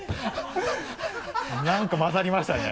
何か混ざりましたね。